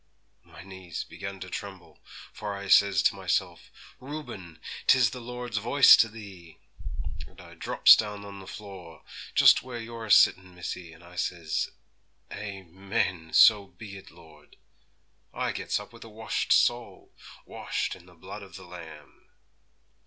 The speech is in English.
My knees began to tremble, for I says to myself, "Reuben, 'tis the Lord's voice to thee." And I drops down on the floor, just where you're a sittin', missy, and I says, "Amen, so be it, Lord." I gets up with a washed soul washed in the blood of the Lamb.'